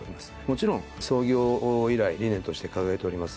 もちろん創業以来理念として掲げております